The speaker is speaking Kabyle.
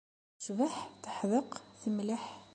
Tecbeḥ, teḥdeq, temleḥ.